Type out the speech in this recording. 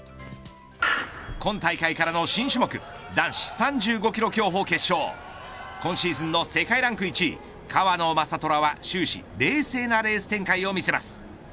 今大会からの新種目３５キロ競歩、決勝今シーズンの世界ランク１位川野将虎は終始、冷静なレース展開を見せます。